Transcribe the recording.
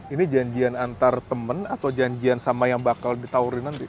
ini janjian antar temen atau janjian sama yang bakal ditawarin nanti